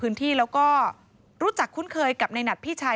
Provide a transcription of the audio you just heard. ปืนที่แล้วก็รู้จักคุ้นเคยในนาฮิบไพรบรรยา